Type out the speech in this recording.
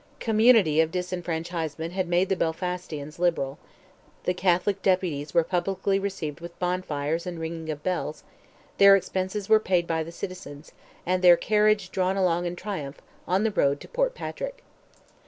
Community of disfranchisement had made the Belfastians liberal; the Catholic deputies were publicly received with bonfires and ringing of bells, their expenses were paid by the citizens, and their carriage drawn along in triumph, on the road to Port Patrick.